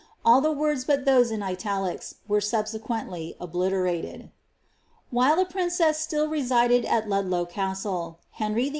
all rhe words but those in ilalirs, were subsequenityoblilf While the prineess slill resided ai Ludlow Castle, Henry VlJt.